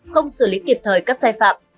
không xử lý kịp thời các sai phạm